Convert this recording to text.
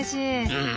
うん。